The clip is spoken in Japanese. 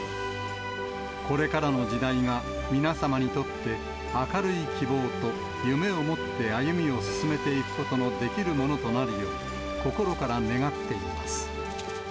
これからの時代が皆様にとって、明るい希望と夢を持って歩みを進めていくことのできるものとなるよう、心から願っています。